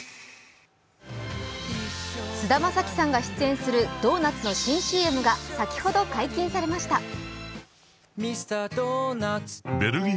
菅田将暉さんが出演するドーナツの新ＣＭが先ほど解禁されました。